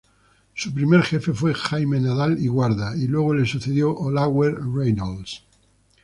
Su primer jefe fue Jaime Nadal y Guarda y luego le sucedió Olaguer Reynals.